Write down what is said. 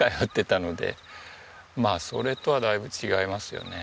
まあそれとはだいぶ違いますよね。